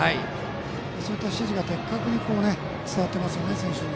そういった指示が、選手に的確に伝わっていますよね。